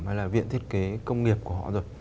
hay là viện thiết kế công nghiệp của họ rồi